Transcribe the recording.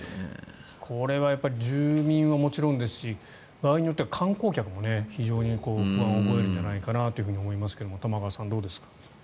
これは住民はもちろんですし場合によっては観光客も非常に不安を覚えるんじゃないかなと思いますが玉川さん、どうですか？